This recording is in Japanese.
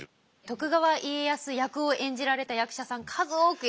徳川家康役を演じられた役者さん数多くいらっしゃいますから。